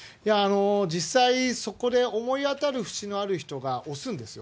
実際、そこで思い当たるふしのある人が押すんですよ。